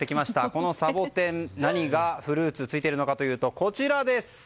このサボテン、何がフルーツついているのかというとこちらです。